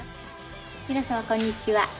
皆様こんにちは。